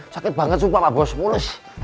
sakit banget sumpah nggak bos mulus